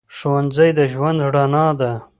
ښوونځی د ژوند رڼا ده